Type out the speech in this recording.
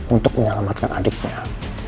untuk menyelamatkan adiknya